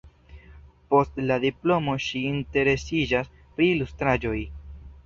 Post la diplomo ŝi interesiĝas pri ilustraĵoj.